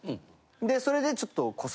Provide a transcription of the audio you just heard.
でそれでちょっと。